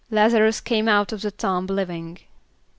=L[)a]z´a r[)u]s came out of the tomb living.